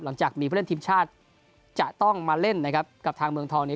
หลังจากมีผู้เล่นทีมชาติจะต้องมาเล่นนะครับกับทางเมืองทองนี้